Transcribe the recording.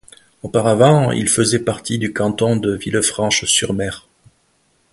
Auparavant, il faisait partie du canton de Villefranche-sur-Mer.